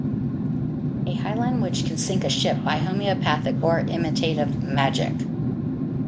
A Highland witch can sink a ship by homeopathic or imitative magic.